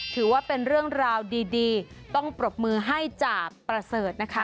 ถือว่าเป็นเรื่องราวดีต้องปรบมือให้จ่าประเสริฐนะคะ